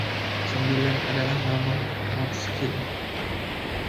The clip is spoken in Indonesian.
Sembilan adalah nomor Motzkin.